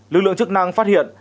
lực lượng chức năng phát hiện